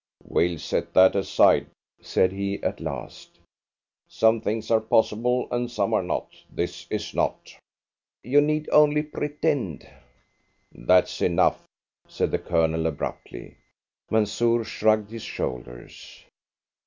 "We'll set that aside," said he at last. "Some things are possible and some are not. This is not." "You need only pretend." "That's enough," said the Colonel abruptly. Mansoor shrugged his shoulders.